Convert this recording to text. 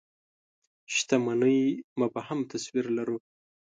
شتمنۍ مبهم تصوير لرو.